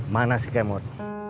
mana si kemot